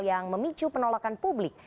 yang memicu penolakan publik